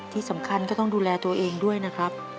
ที่สำคัญก็ต้องดูแลตัวเองด้วยนะครับ